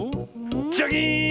ジャキーン！